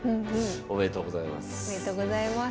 おめでとうございます。